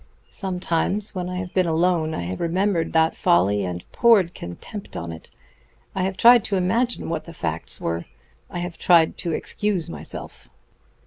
Sometimes when I have been alone I have remembered that folly, and poured contempt on it. I have tried to imagine what the facts were. I have tried to excuse myself."